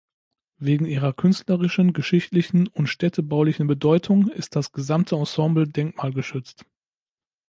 Wegen ihrer künstlerischen, geschichtlichen und städtebaulichen Bedeutung ist das gesamte Ensemble denkmalgeschützt.